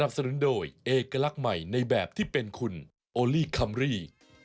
สนุนโดยเอกลักษณ์ใหม่ในแบบที่เป็นคุณโอลี่คัมรี่